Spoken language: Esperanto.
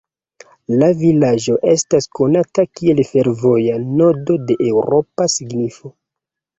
La vilaĝo estas konata kiel fervoja nodo de eŭropa signifo.